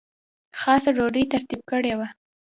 خاصه ډوډۍ ترتیب کړې وه.